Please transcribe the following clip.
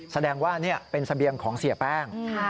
แสดงว่านี่เป็นเสบียงของเสียแป้ง